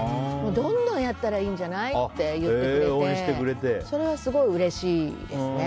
どんどんやったらいいんじゃないって言ってくれてそれはすごいうれしいですね。